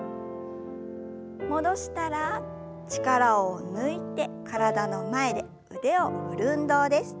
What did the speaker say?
戻したら力を抜いて体の前で腕を振る運動です。